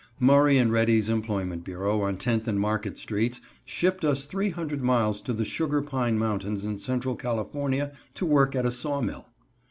Murray & Ready's Employment Bureau, on Tenth and Market streets, shipped us three hundred miles to the Sugar Pine Mountains, in central California to work at a saw mill.